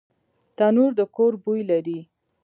تنور د کور بوی لري